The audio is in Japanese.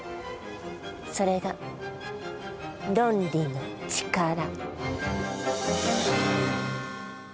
それが「ロンリのちから」。